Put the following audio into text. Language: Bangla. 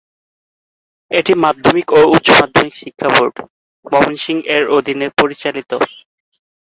এটি মাধ্যমিক ও উচ্চ মাধ্যমিক শিক্ষা বোর্ড, ময়মনসিংহ এর অধীনে পরিচালিত।